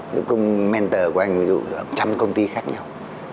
đúng không mentor của anh ví dụ được trăm công ty khác nhau